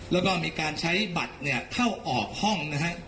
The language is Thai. แล้วก็มีการใช้บัตรเนี่ยเข้าออกห้องนะฮะ